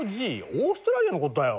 オーストラリアのことだよ。